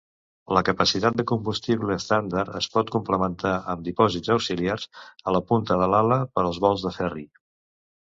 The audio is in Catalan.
La capacitat de combustible estàndard es pot complementar amb dipòsits auxiliars a la punta de l'ala per als vols de ferri.